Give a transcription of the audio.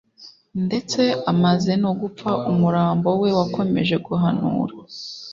ndetse amaze no gupfa, umurambo we wakomeje guhanura.